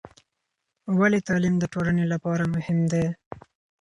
ولې تعلیم د ټولنې لپاره مهم دی؟